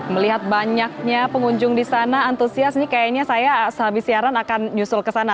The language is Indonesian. melihat banyaknya pengunjung di sana antusias ini kayaknya saya sehabis siaran akan nyusul ke sana